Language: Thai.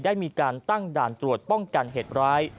ได้มีการตั้งด่านตรวจป้องกันเหตุร้าย